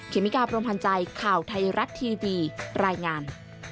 เมกาพรมพันธ์ใจข่าวไทยรัฐทีวีรายงาน